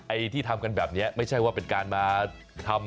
ที่ทำกันแบบนี้ไม่ใช่ว่าเป็นการมาทำ